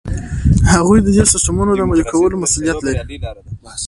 هغوی ددې سیسټمونو د عملي کولو مسؤلیت لري.